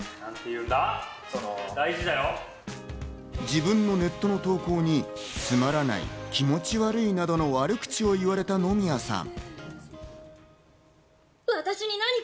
自分のネットの投稿に、つまらない、気持ち悪いなどの悪口を言われた野宮さん。